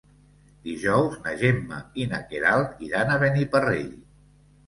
Dijous na Gemma i na Queralt iran a Beniparrell.